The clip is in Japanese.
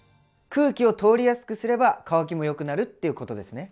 空気を通りやすくすれば乾きもよくなるっていうことですね。